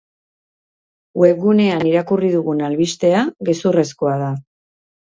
Webgunean irakurri dugun albistea gezurrezkoa da.